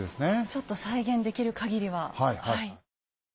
ちょっと再現できるかぎりは。